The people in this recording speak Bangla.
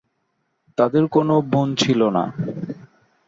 তাদের কোনো বোন ছিল না।